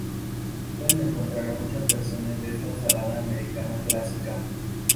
Se pueden encontrar muchas versiones de esta ensalada americana clásica.